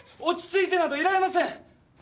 落ち着いてなどいられません！